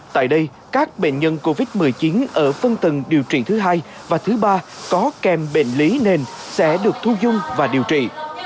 tại đây các bệnh nhân covid một mươi chín ở phân tầng điều trị thứ hai và thứ ba có kèm bệnh lý nền sẽ được thu dung và điều trị